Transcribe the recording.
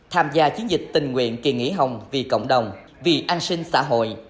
tham gia chiến dịch tình nguyện kỳ nghỉ hồng vì cộng đồng vì an sinh xã hội